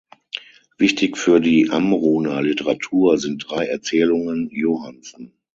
Wichtig für die Amrumer Literatur sind drei Erzählungen Johannsen.